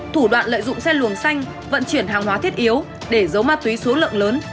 thủ đoạn lợi dụng xe luồng xanh vận chuyển hàng hóa thiết yếu để giấu ma túy số lượng lớn